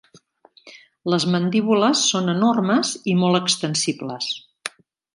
Les mandíbules són enormes i molt extensibles.